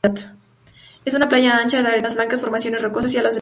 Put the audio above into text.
Es una playa ancha, de arenas blancas, formaciones rocosas y olas de altura.